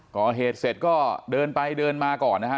ก่อเหตุเสร็จก็เดินไปเดินมาก่อนนะฮะ